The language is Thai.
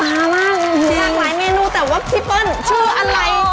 เสียงหลายเมนูแหละว่าที่เปิ้ลชื่ออะไร